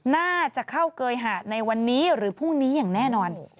น่าจะเข้าเกยหะในวันนี้หรือพรุ่งนี้อย่างแน่นอน